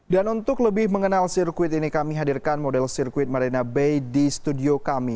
dan untuk lebih mengenal sirkuit ini kami hadirkan model sirkuit marina bay di studio kami